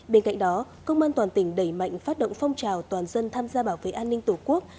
bên cạnh đó công an toàn tỉnh đẩy mạnh phát động phong trào toàn dân tham gia bảo vệ an ninh tổ quốc